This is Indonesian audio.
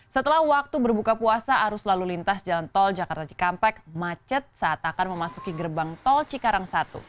setelah waktu berbuka puasa arus lalu lintas jalan tol jakarta cikampek macet saat akan memasuki gerbang tol cikarang satu